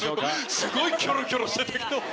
すごいキョロキョロしてたけど。